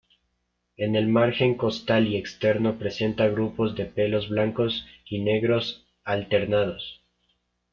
En el margen costal y externo presenta grupo de pelos blancos y negros alternados.